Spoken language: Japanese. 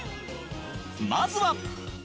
まずは